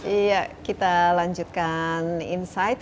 iya kita lanjutkan insight